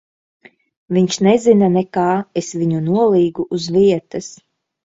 Viņš nezina nekā. Es viņu nolīgu uz vietas.